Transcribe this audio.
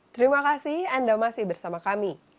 terima kasih anda masih bersama kami